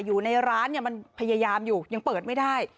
อยู่ในร้านเนี่ยมันพยายามอยู่ยังเปิดไม่ได้